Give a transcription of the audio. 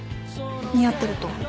似合ってると思う。